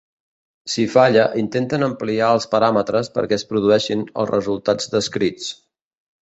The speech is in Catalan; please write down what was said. Si falla intenten ampliar els paràmetres perquè es produeixin els resultats descrits.